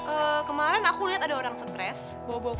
eh kemarin aku liat ada orang stres bawa bawa kucing